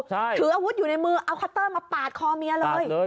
ถืออาวุธอยู่ในมือเอาคัตเตอร์มาปาดคอเมียเลย